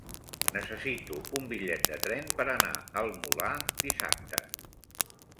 Necessito un bitllet de tren per anar al Molar dissabte.